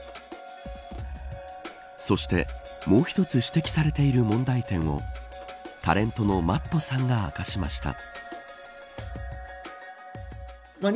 そして、もう一つ指摘されている問題点をタレントのＭａｔｔさんが明かしました。